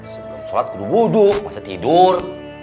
sebelum sholat budu budu masa tidur